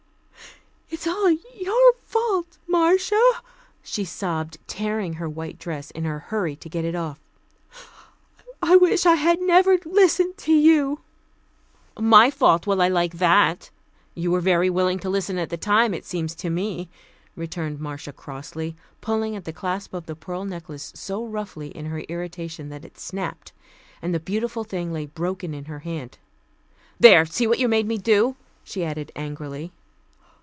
"It's all your fault, Marcia," she sobbed, tearing her white dress in her hurry to get it off. "I wish I had never listened to you " "My fault! Well, I like that. You were very willing to listen at the time, it seems to me," returned Marcia crossly, pulling at the clasp of the pearl necklace so roughly in her irritation that it snapped, and the beautiful thing lay broken in her hand. "There! see what you made me do," she added angrily.